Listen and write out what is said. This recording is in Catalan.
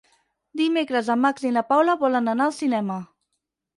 Dimecres en Max i na Paula volen anar al cinema.